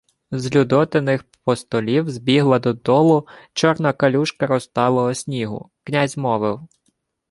З Людотиних постолів збігла додолу чорна калюжка розталого снігу. Князь мовив: